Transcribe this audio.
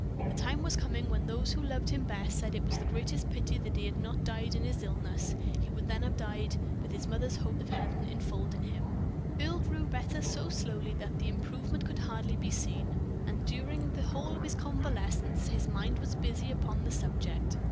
The time was coming when those who loved him best said it was the greatest pity that he had not died in this illness; he would then have died with his mother's hope of heaven infolding him. Earle grew better so slowly that the improvement could hardly be seen, and during the whole of his convalescence, his mind was busy upon the subject.